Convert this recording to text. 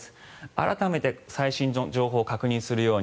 改めて最新の情報を確認するように。